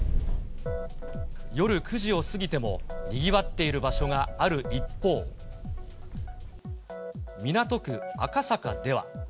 夜９時を過ぎてもにぎわっている場所がある一方、港区赤坂では。